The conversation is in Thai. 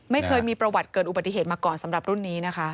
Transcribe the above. ไม่เคยมีประวัติเกิดอุบัติเหตุมาก่อนสำหรับรุ่นนี้นะคะ